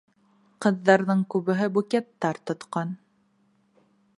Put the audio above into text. Ҡыҙҙарҙың күбеһе букеттар тотҡан.